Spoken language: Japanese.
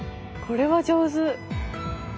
これは上手。